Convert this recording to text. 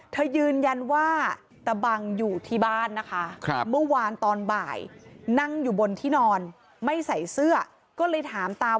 เธอยืนยันว่าตะบังอยู่ที่บ้านนะคะ